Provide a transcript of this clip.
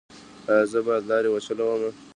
ایا زه باید لارۍ وچلوم؟